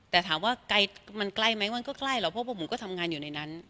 แต่ถามว่ามันไกลไหมมันก็ไกลเหรอพวกผมก็ทำงานอยู่ในนั้น